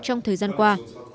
trong thời gian qua